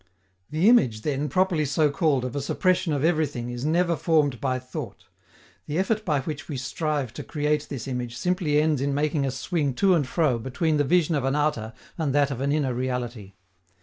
The image, then, properly so called, of a suppression of everything is never formed by thought. The effort by which we strive to create this image simply ends in making us swing to and fro between the vision of an outer and that of an inner reality.